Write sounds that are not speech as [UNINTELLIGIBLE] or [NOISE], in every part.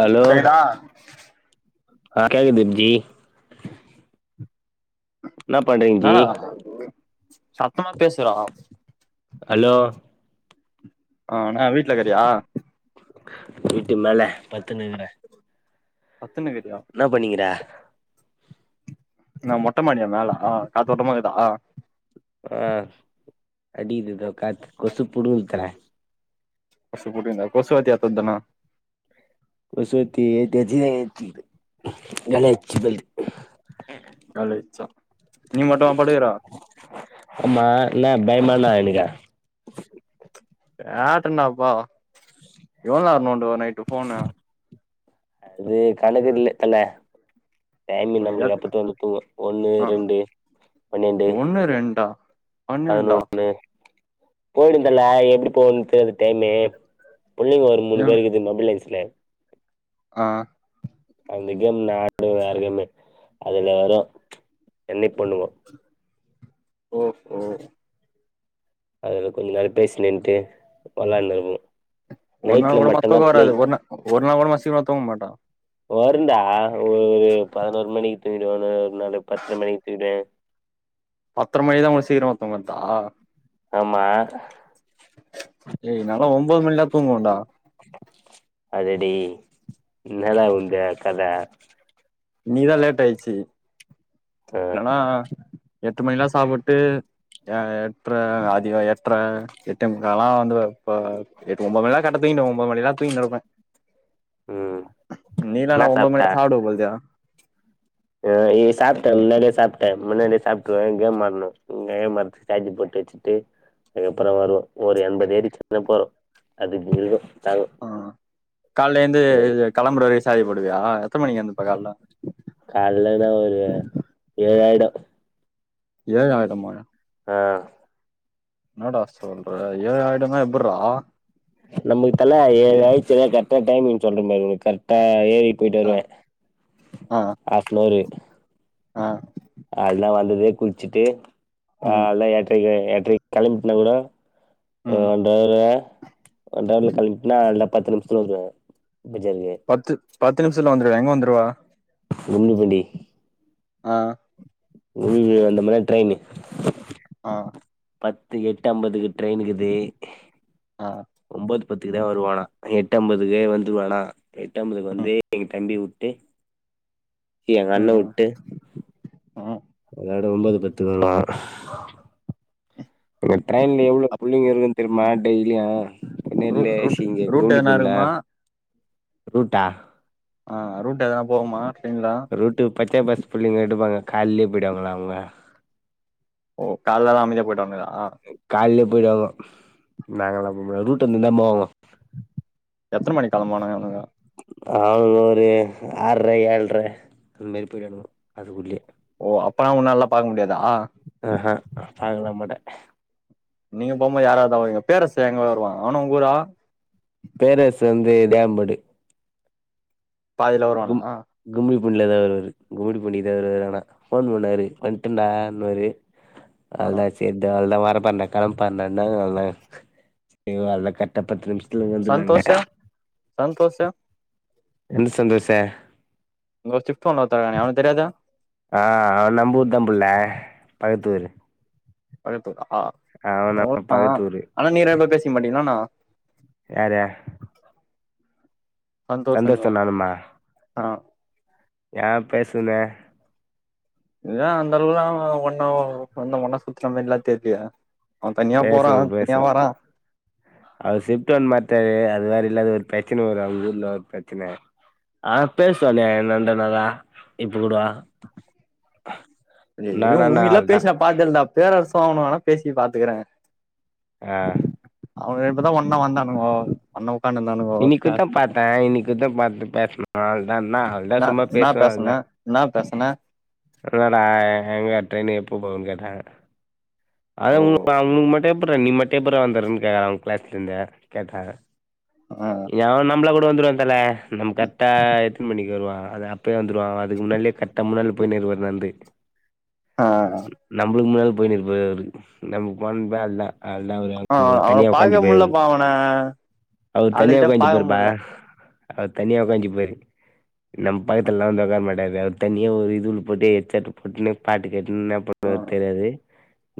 hello கேக்தா ஆ கேக்குது ஜி என்ன பண்றீங்க ஜி என்னடா சத்தமா பேசுறா ஹலோ ஆ ன்னா வீட்லக்குறயா வீட்டு மேல பத்துணுருக்குறே பத்தனகிரியா என்ன பண்ணிகிற ன்நா மொட்ட மாடியா மேல காத்தோட்டமாக்குதா அ அடிக்கிது தோக் காத்து கொசு புடுங்குது தல கொசுபோட்டிந்தா கொசுவத்தி ஏத்து வந்திதன கொசுவத்தி ஏத்தியாச்சி ஏத்திட்டு கலியாச்சிபல் காலியாச்சா நீமட்டுமா படுகர ஆமா ன்ன பயமாலா இல்லைங்க கேட்டணப்பா எவ்ள நேர நோண்டுவ நைட்டு ஃபோனு அது கணக்கு இல்ல தல டைமிங் நம்மளுக்கு முடியாது எப்பத்த தோணுது ஒன்னு ரெண்டு பன்ணெண்டு னு ரெண்டா பன்னெண்டா பதினொன்னு போயி்டு ந்தல எப்டி போகுது தெரியாது டைமு புள்ளைங்க ஒரு மூணு பேருக்குது மொபைலைஸ்ல அ அந்த கேம் நாடு வேற கேமே அதுல வரும் ப்ச் என்ன பண்ணுவோம் ஒஹோ அதுல கொஞ்சம் நாள் பேசி நின்ட்டு வெளாண்டுனு வருவோம் ஒரு நாள் கூட ம தூக்கம் வராது ஒரு நாள் ஒரு நாள் கூட வா சீக்கிரமா தூங்க மாட்டா வருண்டா ஒரு பதினோரு மணிக்கு தூங்கிடுவேன்னு ஒரு நாளு பத்தர மணிக்கு தூங்கிடுவேன் பத்தர மணிதான் ஒங்களுக் சீக்ரமா தூங்ரதா ஆமா ஏய் நாளா ஒன்பது மணிலா தூங்குவண்டா கதடி இன்னால உம்முடைய கத இன்னிக்தா லேட்டாயிர்ச்சி ஆ இல்லனா எட்டு மணிலா சாப்புட்டு ஏ எட்ர அதிக எட்ர எட்டே முக்காலா வந்து இப்ப எட்டு ஒன்பது மணிலா கரட்டா தூங்கிடுவ ஒன்பது மணிலா தூங்கிண்டு கடப்பேன் ம் என்னா நீதானா ஒம்பது சாப்ட்ட மணிக்கே சாப்டுவ போல்தே அ இ சாப்டே முன்னாடியே சாப்டே முன்னாடியே சாப்ட்ருவே கேம் ஆட்னு [UNINTELLIGIBLE] சார்ஜ் பொட்டு வச்சுட்டு அதுக்கப்பறோ வருவோ ஒரு எண்பது ஏறிடிச்சினாப் போரு அது [UNINTELLIGIBLE] அ கால்ல ஏந்து இது கெளம்பற வரை சாஜூ போடுவியா எத்தன மணிகு எந்துப்ப கால்ல கால்லனா ஒரு ஏழாயிடு ஏழாயிடுமா அ என்னடா சொல்ற ஏழாயிடுனா எப்புர்றா நம்முகுத் தல ஏழாயிர்ச்சினா கர்ட்டா டைமி்ங் சொல்றம் பாரு உனுக் கர்ட்டா ஏயிட் அ அ அ கால்ல வந்ததே குள்ச்சிட்டு ம் கால்ல எட்ரக்கி எட்ரக் கெளம்பிட்னா கூட ம் ஒன்றாயிருவே ஒன்றவல கெளம்பிட்னா அல்ல பத்து நிம்ஷ் [UNINTELLIGIBLE] பெஜார்கே பத்து பத்து நிம்ஷத்துல வந்துருவியா எங்க வந்துருவே உன்னுகுடி அ உன்னிகுடி வந்தமனா ட்ரெயினு ஆ பத்து எட்டு அம்பதுக்கு ட்ரெயினுகுதே ஆ ஒம்போது பத்துகுதா வருவானா எட்டு அம்பதுகே வந்துருவானா எட்டம்பதுகு ம் வந்தே எங்க தம்பிய வுட்டு எங்க அண்ண ம் வுட்டு ம் அதோட ஒம்போது பத்துகுன்றா இங்க ட்ரெயின்ல எவ்ளோப் புள்ளிங்க இருக்குன் தெர்மா டெய்லியு ரூ பொன்னேல்லே ரூட் சிங்கே ரூட் எதனா இருக்குமா [UNINTELLIGIBLE] ஆ ரூட் எதனாப் போவுமா ட்ரெயின்ல ரூட்டு பச்சய பாஸ் புள்ளிங்க எடுப்பாங்க கால்லியேப் போயிடுவாங்கள அவுங்க ஓ கால்ல எலா அமைதியா போய்டுவங்களா கால்லியேப் போயிடுவாங்கோ நாங்கதா [UNINTELLIGIBLE] எத்தன மணிக் கெளம்புவானுங்க இவுனுங்க அவுனுங்க ஒரு ஆர்ற ஏழ்ற அன் மேரி போய்டுவானுங்கோ அதுகுள்யே ஓ அப்பனா உன்னால்லா பாக்க முடியாதா ஆஹ பாக்கலா மாட்டே நீங்க போம்மோ யார்யார்தா வவிங்க பேரரசு எங்க வருவா அவனு உங்கூறா பேரரசு வந்து தேவம்பேடு பாதில வருவானா கும்மிடிபூண்லேதா வருவாரு கும்மிடிபூண்டிகுதா வருவாரு ஆனா ஃபோன் பண்ணாரு வண்ட்டா ண்ணுவாரு ஆ அலச் சேர்டா அள்தா வரப்போர்ன்டா கெளம்போர்ன்டா [UNINTELLIGIBLE] சந்தோஷா சந்தோஷ எந்த சந்தோஷே [UNINTELLIGIBLE] அவனுக் தெரியாதே ஆ அவ நம்பூர்தம்புள்ள பகத்தூரு பகதூரா அவன் நம்ம பக்கத்து [UNINTELLIGIBLE] ஊரு ஆனா நீங்க ரெ பேர் பேசிக் மாட்டீங்ளாண்ணா யாரே சந்தோஷு சந்தோஷ நீயு ஆ யே பேசுன இல்ல அந்த அளவுக்குலா ஒண்ணா வந்து ஒண்ணா சுத்துன மாரில்லா தெர்லியே அவ தன்யா போறா தனியா வறா அவுரு சிப்ட் ஒன் மாட்டாரு அது வேற இல்லாது ஒரு பிரச்சன வரு அவுங்க ஊர்ல ஒரு பிரச்சன ஆ பேசுவானே என்னடா நல்லா இப்ப கூட இதுவரையு நானா உகிட்ல்லா பேசி அவள்தான் நா பாக்கல்டா பேரரசு அவணு வேணா பேசி பாத்துக்கிற அ அவுங்க இப்பதா ஒன்னா வந்தானுங்கோ ஒன்னா உக்காந்துர்தாணுங்கோ க்ளாஸ்க்கு இத பாத்து பேசனு அவ்ளோ தா நா ஆவ்து நா நா பேசனு நா பேசனு ஒரு வேல எங்க ட்ரெயினிங் எப்போ போவுன்னு கேட்டாங்க அதா ஓ உனக் உனக்கு மட்டு எப்புட்றா நீ மட்டு எப்புட்றா வந்துர்ற க்ளாஸ்லந்து கேட்டாங்க அ எவ நம்ள கூட வந்துடுவா தலா நம் கரெக்டா எத்துன் மணிக்கு வருவோ அத அப் அப்பயே வந்துருவ அதுக்கு முன்னாலேயே கர்ட்டா முன்னாள போயினுகிது நட்ந்து ஆ நம் இதுக்கு முன்னால் போயினிருபாரு அவுரு நமக்கு போனப்லா இல்ல அதுதா அவரு அது தனியா உக்காஞ்சிருப்பாரு அவரு அ அ அவுர் தனியா உகாஞ்சிபாருப்பா அவுர் தனியா உகாஞ்சிபாரு நம் பக்கத்துலல்லா வந்து உக்கார மாட்டாரு அவுரு தனியா ஒரு இதுவுல போட்டு ஹெட்செட் போட்டுனு பாட்டு கேட்டுனு என்னா ஆ பன்னுவாரு தெரியாது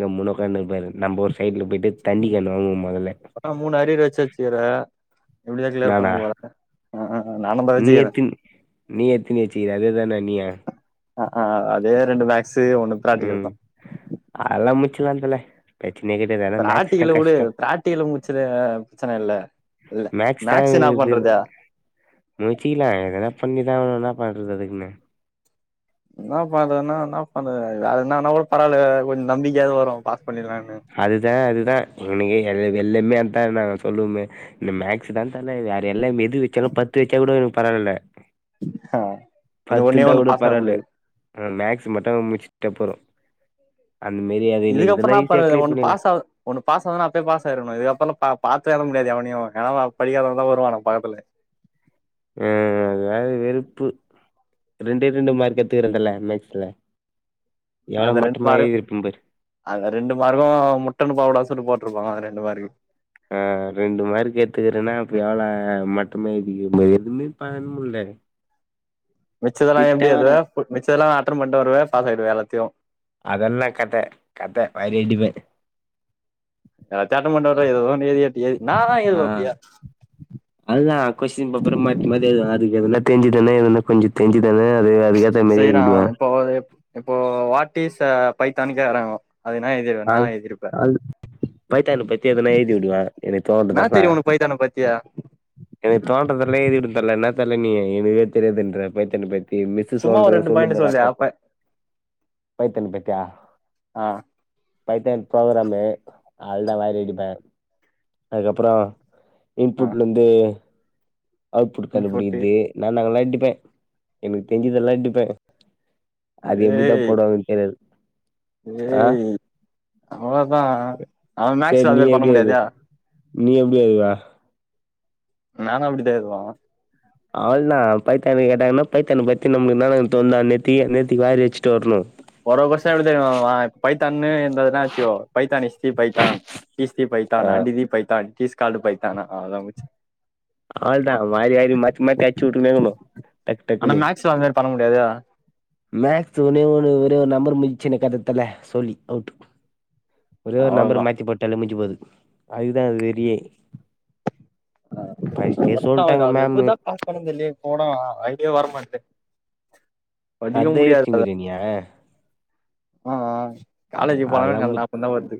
கம்முனு உக்காண்ணு இருப்பாரு நம்ம ஒரு சைட்ல போயி போய் தண்ணிக்கேன் வாங்குவே மொதல்லே ஆ மூணு அரியர் வச்சாச்சி வேற எப்டிதா கிளியர் பண்ண நானா போறே அ நானு தா நீ வச்சிக்கிறே எத்தின் நீ எத்தினி வெச்சிகிற அதே தானே நீயு அ அ அதே ரெண்டு மேக்ஸ்சு ஒண்ணு பிராக்டிகல் ம் தா அதெல்லா முட்ச்சிலா தலே பிரச்சனையே கிடயாது பிராட்டிகள உடு பிராட்டிகல முச்சிடுவே பிரச்சன இல்ல இல்ல மேக்ஸ் என்ன பண்றது முச்சிக்லா எதனா பண்ணிதா அவரு என்னா பண்றது அதுக்குன்னு என்ன பண்றதுனா என்னா பண்றது வேற என்னாவோ கூட பராவால்ல கொஞ்சோ நம்பிக்க கூட வரு பாஸ் பண்ணிடலான்னு அதுதா அதுதா இனைக்கு எனக்கு எல்லமே அதா நாங்க சொல்லுவோமே இந்த மேக்ஸ் தா தல வேற எல்லா எது வச்சாலு பத்து வச்சா கூடக்கு பரவால்ல அ இந்த ஒன்னே ஒண்ணு பாஸ் ஆக முடியாது அ மேக்ஸ் மட்டு முட்ச்சுட்ட போது அந்தமேரி அது இல் இதுக்கப்புறோ இதெல்லா என்னா ஈஸியா பண்றது க்ளியர் ஒண்ணு பண்ணிலா பாஸ் ஆவு ஒண்ணு பாஸ் ஆவுனுனா அப்பயே பாஸ் ஆயிருனு இதுக்கப்றல்லா பா பாத்து எழுத முடியாது எவவனையு ஏன்னா படிாக்காதவதா வருவா நம்ம பக்கத்துல ஆ அதல வெறுப்பு ரெண்டே ரெண்டு மார்க் எட்துக்ற தல மேக்ஸ்ஸூல அந்த ரெண்டு மார்க்கு பாரு அந்த ரெண்டு மார்க்கு முட்டன்னு போட கூடாதுன்னு சொல்லி போட்ருப்பாங்க அந்த ரெண்டு மார்க்து அ ரெண்டு மார்க்கு எட்துக்குறேன்னா அப்ப எவ்ளோ மட்டமா எழுதிருக்க பாரு எதுமே பண்ண முட்ல மிச்சத்தெல்லா எப்டி எழுதுவ வரும் மிச்சதெல்லா அட்டர்ன் பண்ட்டு வருவவே பாசாய்டுவ எல்லாத்தையு அதெல்லா கதெ கதெ வாரி அடிப்ப எல்லாத்யு அட்டன் பண்ட்டு வருவ ஏதோன்னு எழ்திட்டு என்னா தா ஏதுவ அப்டியே அதுதா கொஷின் பேப்பரே மாத்தி மாத்தி ஏழுதுவே அதுக்கு எதனா தேஞ்சுதானே என கொஞ்சோ தேஞ்சுதானே அது அது செய்றா இப்போ இப்போ வாட் இஸ் அ பைத்தான்னு கேக்குறாங்கோ அதுக்கு எனா எழு அ அது பைத்தான பத்தி எதனா எழுதி வுடுவே எனக்கு என்னா தோன்றதெல்லா தெரியு உனக்கு பைத்தான பத்தியா எனக்கு தோன்றதல்லா எழுதி விடுவ தல என்ன தல நீ எனக்கே தெரியாதுன்ற பைத்தான பத்தி இந்த மிஸ்ஸு சும்மா ஒரு சொல்ற ரெண்டு சொல்லும் பாயிண்ட் போற சொல்லு அப்பப்பா அப்ப பைத்தியோ பிடிக்கோ பத்யா அ பைத்தான் ப்ரோக்ராமு அவ்ள்தா வாரி வெக்றதுதா அதுக்கப்புறோ ஆ இன்புட்லேந்து அவுட்புட் இன்புட்டு கண்டுபிடிக்குறது நா நாங்க எல்லா அடிப்பே எனக்கு தெரிஞ்சதெல்லா அடிப்பே அது எப்டிதா ஏய் போடுவாங்கன்னு தெரியாது அ ஏய் அவ்ளோதா அவ சேரி மேக்ஸ்ல நீ அதுமாரி பண்ண எப்டி எழுதுவ முடியாதே நீ எப்டி எழுதுவ நானு அப்டிதா எழுதுவ அவள்தா பைத்தான கேட்டாங்கனா பைத்தான பத்தி நம்முளுக்கு இன்னால தோன்தோ அன்னேத்திக் அன்னேத்திக்கு வாரி அச்சிட்டு வர்ணோ ஒர வர்ஷ எப்டி தெரிமா மாமா பைத்தான்னு இருந்ததுனா வெச்சுக்கோ Python இஸ்தி Python இஷ்தி ah Python and the Python it is called Python அவ்ளதா முச் அவ்ளதா மாறி ஆயிடோ மாத்தி மாத்தி அச்சு வுட்டுக்குணே இக்குனோ டக்கு ஆனா டக்குன்னு மேக்ஸ்ல அது மாரி பண்ண முடியாதே மேக்ஸ் ஒன்னே ஒன்னு வெறு நம்பர் முஞ்சுச்சுனே கதத்துல்ல ஜோலி அவுட்டு ஒரே ஒரு நம்பர் அவ்ளோதா மாத்தி போட்டாலே முஞ்சி போது அதுக்குதா ஆவுது வெரியே ஆ மொத்தோ சொல்ட்டாங்க ஆவுதுடா அது மேமு எப்டிதா பாஸ் பண்ணனு தெர்லயே இப்பகூட அய்டியா வர மாட்டு படிக்கவே அதா முடியாது தோழா யோசிச்சுனுக்குறியா நீ ஆ ஆ காலேஜ்க்கு போனலு அது ஞாபகந்தா வருது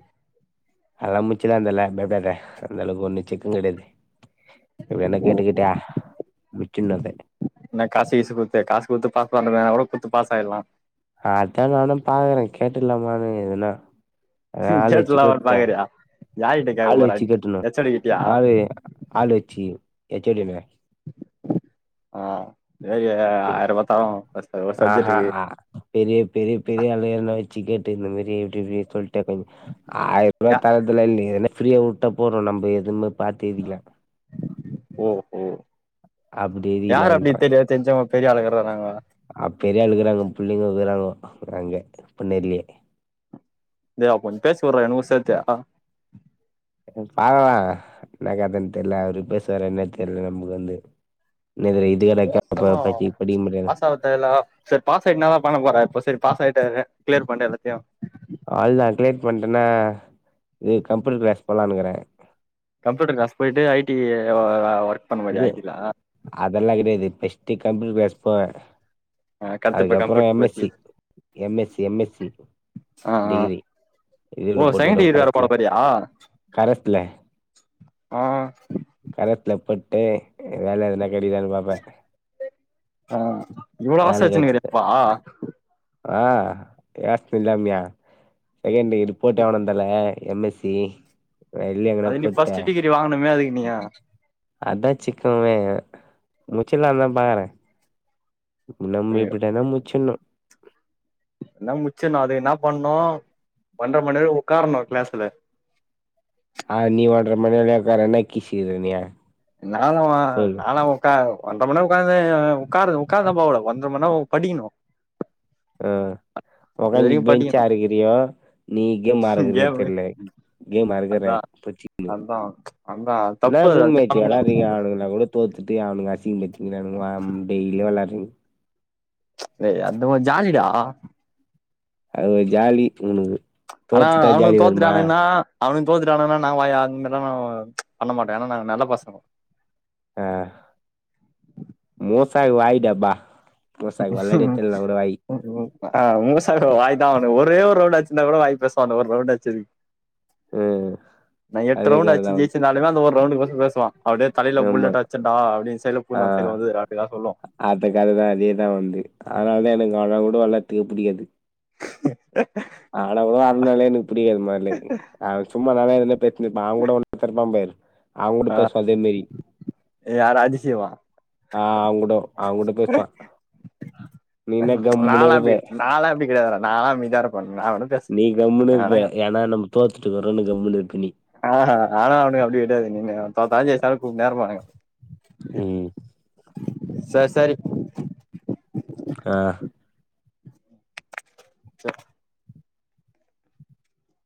அதல்லா முச்சிலா தல பயப்படாத அந்தளவுக்கு ஒன்னியோ சிக்கோ கெடயாது இப்டி யார்னா கேட்டுக்கீட்டா முச்சுன்ன அத என்ன காசு கீசு குத்து காசு குத்து பாஸ்பண்ணுவலா கூட குத்து பாஸாயிட்லா அதா நானு பாக்குறே கேட்டுலாமான்னு கீது எதுன்னா எதனா ஆள் வெச்சு கேட்லா கேட்டு பாக்குறியா யார்கிட்ட கேக்க ஆள் போற வெச்சு கேட்றுணோ ஹெச் ஓ டி கிட்டயா ஆவே ஆளு வெச்சி எச் சோ டியுமே ஆ இதுமேரி ஆயிரபா தரோ ஒரு ஆஹா சப்ஜெக்டெக்கு ஆ, பெரிய பெரிய பெரிய ஆளு யார்னா வெச்சு கேட்டு இந்த மேரி எப்டி இப்டி சொல்ட் ட்டா கொஞ்சோ ஆயிரபா யா தரதுலா இல்ல ஏனா ஃப்ரீயா வுட்டா போறோ நம்ப எதுவுமே பாத்து எழுதிக்குலா ஓஹோ அப்படி யாரு அப்டி எழுதிக்கலான்றேன் தெரியா தெரிஞ்சவுங் பெரிய ஆளுக வராங்க அ பெரியாளுக்கிறாங்கோ புள்ளைங்க இருக்கிறாங்கோ அங்க பின்னாடியே தேவா கொஞ்சோ பேசி விட்றா எனக்கோ சேத்தே ம் பாக்கலா இன்னா கதன்னு தெர்ல அவரு பேசுவாரா என்னனு தெர்ல நம்முளுக்கு வந்து இன்னோர் தடவ இது வேற கேப்ப இப்பத்திக்கி படிக்க முடியாது தேவல்லா செரி பாஸ் ஆயிட்னா இன்னாதா பண்ண போற இப்போ செரி பாஸ் ஆக்கிட்டாரு கிளியர் பண்ணி எல்லாத்தயு அவ்ளதா கிளியர் பண்ட்டனா இது கம்ப்யூட்டர் கிளாஸ் போலானுக்குற கம்ப்யூட்டர் கிளாஸ் போயிட்டு ஐ டி அ வ ஒர்க் பண்ண போறய இது ஐ டில அதெல்லா கெடியாது பர்ஸ்டு கம்ப்யூட்டர் கிளாஸ் போவே கத்து இப்ப அதுக்கப்புறோ கம்ப்யூட்டர் எம் எஸ் பத்தி C M S C M S C ஆ ஆ டிகிரி இதுல ஓ போட்டு செகண்ட் வுடுவ டிகிரி வேற கரஸ்ல போட போறியா கரஸ்ல ஆ கரஸ்ல போட்டு வேல எதனா கெடிக்தானு பாப்ப வேல கச்சுது ஆ ஆ கிளாஸ்த்து இல்லாமயா செகண்ட் டிகிரி ரிப்போட்டு வாங்கனோ தல எம் எஸ் சி வெளிய எங்கன அது நீ போட்ட ஃபர்ஸ்ட் டிகிரி வாங்கணுமே அதுக்கு நீ அதான் சிக்குமே முச்சிலா தா பாக்குற நம்ம ஐயோ, இப்டி தினொ முச்சினும் என்ன முச்சிணும் அது என்ன பண்ணும் ஒன்ற மணி நேரொ உக்கார்ணும் கிளாஸ்ல ஆ நீ விளாட்ற மாரி [UNINTELLIGIBLE] நான்லா வா நாலா ஒ க்கா ஒன்ற மணி உக்கார்ந்த உக்கா உக்காருந்தா போல ஒன்ற மணி நேரோ படிக்கணும் ஆ உங்கத்து பேஞ்ச்சு படிக்கணு அறுகிறியோ நீங் கேமறுகிறியோ கேமு தெர்ல கேம் அறுகுற அதா போச்சுக்குனு அதா அதா நா தப்பு ரூ மே அது பண்ணக்கூடாதுன்னு விளாடுறீங்க சொல்றே அவனுங்கனா கூட தோத்துட்டு அவனுங்க அசிங்க பத்தி கிறானுக டேய்லியும் விளாடுறீங்க ஏய் அந்த மார் ஜாலிடா அது ஒரு ஜாலி உனக்கு ஆனா தோத்துட்டா அவனுங்க ஜாலி வருமா தோத்துடானுங்கன்னா அவனுங்க தோத்துட்டான்னுங்கன நா [UNINTELLIGIBLE] அந்த ல பண்ணமாட்டே என நாங்க நல்ல பசங்க அ மோசாக்கு வாய்டா அப்ப ம் ஹீம் ஆ மூசா வாயிதா தா அவனுக்கு ஒரே ஒரு ரவுண்ட் அச்சிருந்தா கூட வாய் பேசுவ அந்த ஒரு ரவுண்ட் அச்சதுக் ம் நா எட்டு அதே ரவுண்ட் கததா அச்சு வந்து ஜெிச்சிருந்தாலுமே அந்த ஒரு ரவுண்டு பத்தி பேசுவா அப்டியே தலையில ஆமா புல்லட் அச்சன்டா அப்டினு சைல போ அந்த ஆ சைல வந்து அப்டிதா எதா சொல்லோ அந்த கத தான் அதே தான வந்து அதனால தான் எனக்கு அவளன் கூட வளாத்துக்கு புடிகாது ஆனா கூட அந்தால எனக்கு புடிக்காது மொதலே அ சும்மா [UNINTELLIGIBLE] இருந்துப்பே அவன் கூட ஒன்னு எத்துருப்பா பாரு அவங்க கூட ஆ பேசு அதே மேரி யாரு அதிசயமா ஆ அவங்கூடோ அவங்கூட பேசுவா நீன கம்முனு இருப்ப நாளா அமைதியா இருப்ப நா [UNINTELLIGIBLE] நீ கம்முனு ஆனா இருப்ப ஏன்னா நம்ம தோத்துட்டு வரோன்னு கம்முனு இருப்ப நீ அ அ ஆனா அவனுக்கு அப்டி கிடையாது நீ தோத்தாலும் ஜெயிச்சாலும் கூப்டுனே இருபானுங்க உம் சரி சரி ஆ ச